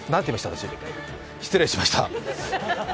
私失礼しました。